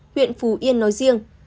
huyện phù yên nói riêng